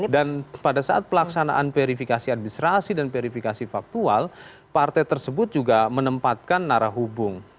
dan pada saat pelaksanaan verifikasi administrasi dan verifikasi faktual partai tersebut juga menempatkan narah hubung